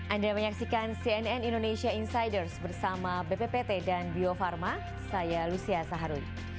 anda menyaksikan cnn indonesia insiders bersama bppt dan bio farma saya lucia saharuy